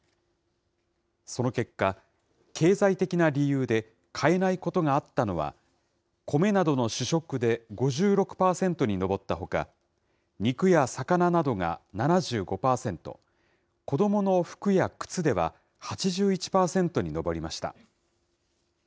その結果、経済的な理由で、買えないことがあったのは米などの主食で５６％に上ったほか、肉や魚などが７５％、子どもの服や靴では８１％に上りました。